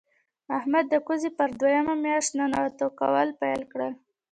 احمد د کوزې پر دویمه مياشت ننواته کول پیل کړل.